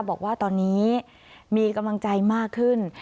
บอกว่าตอนนี้มีกำลังใจมากขึ้น